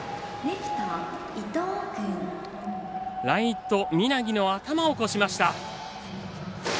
ライト、三奈木の頭を越しました。